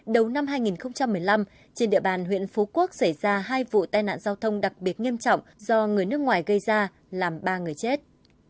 đầu năm hai nghìn một mươi năm trên địa bàn huyện phú quốc xảy ra hai vụ tai nạn giao thông đặc biệt nghiêm trọng do người nước ngoài gây ra làm ba người chết